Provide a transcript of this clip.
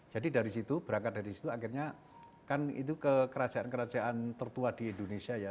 jadi dari situ berangkat dari situ akhirnya kan itu ke kerajaan kerajaan tertua di indonesia ya